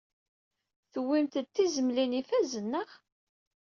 Tuwyemt-d tizmlin ifazen, naɣ?